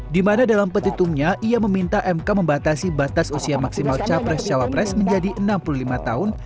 di mana dalam petitumnya ia meminta mk membatasi batas usia maksimal capres cawapres menjadi enam puluh lima tahun